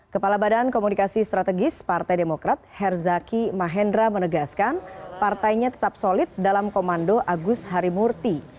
kepala badan komunikasi strategis partai demokrat herzaki mahendra menegaskan partainya tetap solid dalam komando agus harimurti